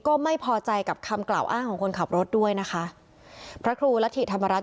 ก็ไม่พอใจกับคำกล่าวอ้างของคนขับรถด้วยนะคะพระครูรัฐิธรรมรัฐ